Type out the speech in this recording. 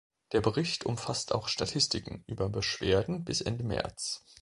Der Bericht umfasst auch Statistiken über Beschwerden bis Ende März.